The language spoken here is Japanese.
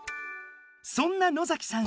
そんな野崎さん